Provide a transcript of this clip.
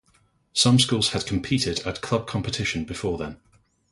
Some schools had competed at club competition before then.